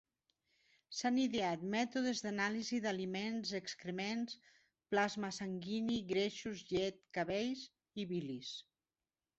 S'han ideat mètodes d'anàlisi d'aliments, excrements, plasma sanguini, greixos, llet, cabell i bilis.